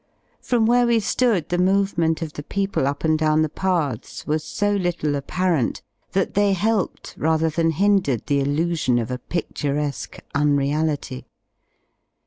From where we ^ood the movement of the people up and down the paths was so little apparent that they helped rather than hindered the illusion of a pi^luresque unreality.